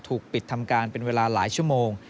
ถูกปิดทำการเป็นเวลาหลายชั่วโมง